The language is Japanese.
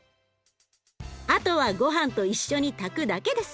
あとはごはんと一緒に炊くだけです。